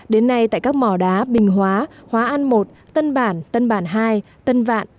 đến nay tại các mỏ đá bình hóa hóa an một tân bản tân bản hai tân vạn